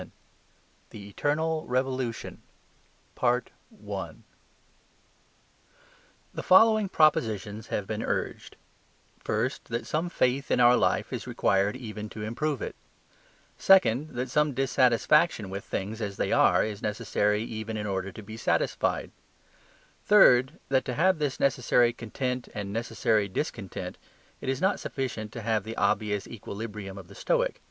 VII THE ETERNAL REVOLUTION The following propositions have been urged: First, that some faith in our life is required even to improve it; second, that some dissatisfaction with things as they are is necessary even in order to be satisfied; third, that to have this necessary content and necessary discontent it is not sufficient to have the obvious equilibrium of the Stoic.